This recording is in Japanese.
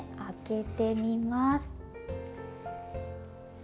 開けてみます。